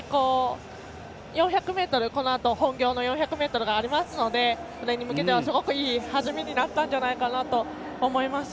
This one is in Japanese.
このあと本業の４００ｍがありますのでそれに向けては、すごくいい励みになったんじゃないかと思います。